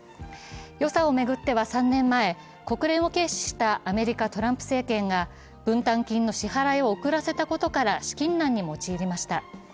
予算を巡っては３年前、国連を軽視したアメリカ・トランプ政権が分担金の支払いを遅らせたことから資金難に陥りました。